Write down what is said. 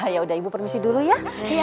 yaudah ibu permisi dulu ya